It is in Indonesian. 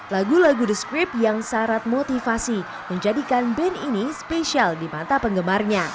lagu lagu the script yang syarat motivasi menjadikan band ini spesial di mata penggemarnya